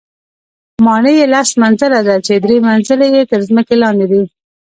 ماڼۍ یې لس منزله ده، چې درې منزله یې تر ځمکې لاندې دي.